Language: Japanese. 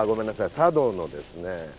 茶道のですね